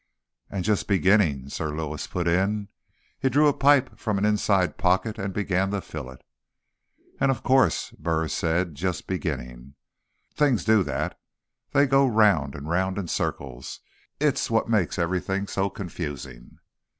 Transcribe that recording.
"And just beginning," Sir Lewis put in. He drew a pipe from an inside pocket and began to fill it. "And, of course," Burris said, "just beginning. Things do that; they go round and round in circles. It's what makes everything so confusing."